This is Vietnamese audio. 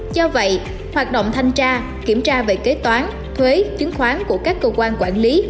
do vậy hoạt động thanh tra kiểm tra về kế toán thuế chứng khoán của các cơ quan quản lý